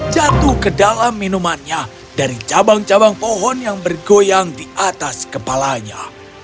jatuh ke dalam minumannya dari cabang cabang pohon yang bergoyang di atas kepalanya